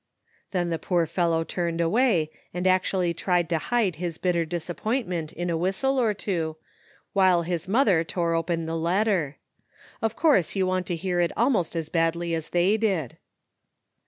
Then the poor fellow turned away, and actually tried to hide his bitter disappointment in a whistle or two, while his mother tore open the THE UNEXPECTED HAPPENS, 185 letter. Of course you want to hear it almost as badly as they did.